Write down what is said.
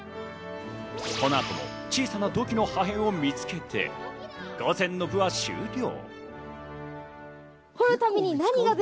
この後も小さな土器の破片を見つけて午前の部は終了。